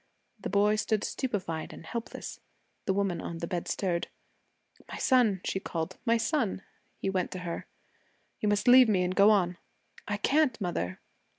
The boy stood stupefied and helpless. The woman on the bed stirred. 'My son,' she called. 'My son.' He went to her. 'You must leave me and go on.' 'I can't, mother.'